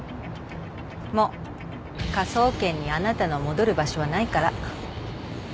もう科捜研にあなたの戻る場所はないから。